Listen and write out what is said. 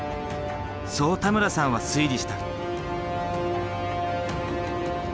そう田村さんは推理した。